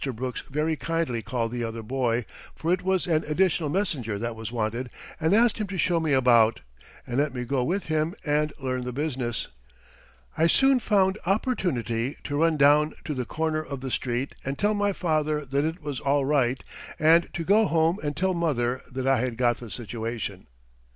Brooks very kindly called the other boy for it was an additional messenger that was wanted and asked him to show me about, and let me go with him and learn the business. I soon found opportunity to run down to the corner of the street and tell my father that it was all right, and to go home and tell mother that I had got the situation.